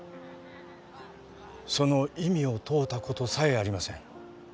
その意味を問うたことさえありません